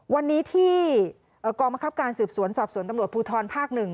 อ๋อวันนี้ที่กรมคับการสูบสวนสอบสวนตำรวจภูทรภาคหนึ่ง